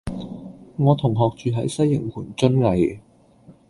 我同學住喺西營盤瑧蓺